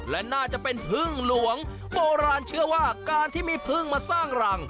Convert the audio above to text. และน่าจะเป็นพึ่งหลวงโบราณเชื่อว่าการที่มีพึ่งมาสร้างรัง